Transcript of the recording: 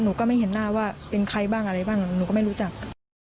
ก็ไม่เห็นหน้าว่าเป็นใครบ้างอะไรบ้างหนูก็ไม่รู้จัก